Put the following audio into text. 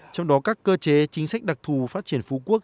trong đó các cơ chế chính sách đặc thù phát triển phú quốc